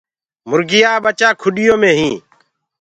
موُرگيآ ڀچآ کُڏيو مي هينٚ۔